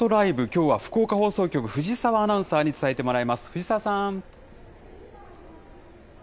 きょうは福岡放送局、藤澤アナウンサーに伝えてもらいます。